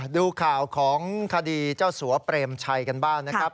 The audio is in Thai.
ดูข่าวของคดีเจ้าสัวเปรมชัยกันบ้างนะครับ